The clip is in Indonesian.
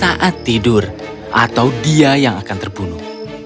dia tidak akan tidur atau dia yang akan terbunuh